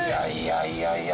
いやいや